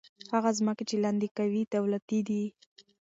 هغه ځمکې چې لاندې کوي، دولتي دي.